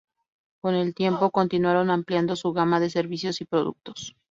Con el tiempo, continuaron ampliando su gama de servicios y productos.